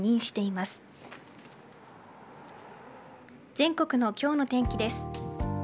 全国の今日の天気です。